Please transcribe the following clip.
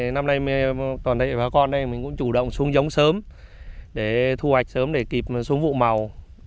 năm nay toàn thể bà con mình cũng chủ động xuống giống sớm để thu hoạch sớm để kịp xuống vụ màu